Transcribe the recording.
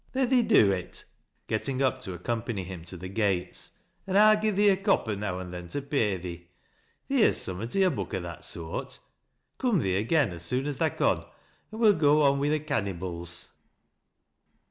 " Then thee do it," getting up to accompany him to the gates. " An' I'll gi'e thee a copper now an' then to pa} thee. Theer's summat i' a book o' that soart. Coom thee again as soon as tha con, an' we'll go on wi' the canny bles."